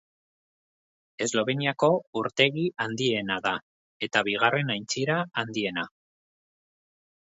Esloveniako urtegi handiena da eta bigarren aintzira handiena.